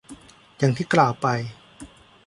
อย่างที่กล่าวไป